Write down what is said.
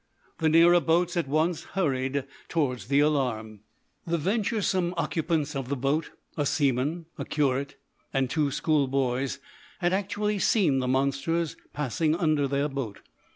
The nearer boats at once hurried towards the alarm. The venturesome occupants of the boat, a seaman, a curate, and two schoolboys, had actually seen the monsters passing under their boat.